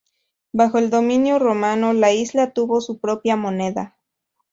Bajo el dominio romano la isla tuvo su propia moneda.